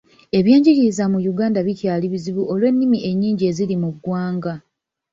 Ebyengigiriza mu Yuganda bikyali bizibu olw'ennimi ennyingi eziri mu gwanga.